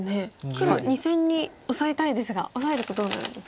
黒２線にオサえたいですがオサえるとどうなるんですか？